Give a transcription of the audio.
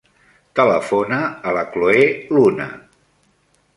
Telefona a la Chloé Luna.